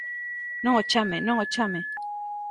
Non o chame, non o chame.